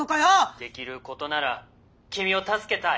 できることなら君を助けたい。